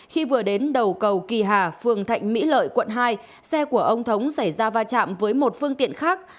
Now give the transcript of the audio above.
khi vừa đến đầu cầu kỳ hà phường thạnh mỹ lợi quận hai xe của ông thống xảy ra va chạm với một phương tiện khác